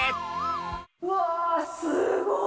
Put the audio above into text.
うわー、すごい。